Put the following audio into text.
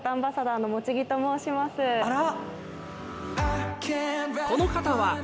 あら。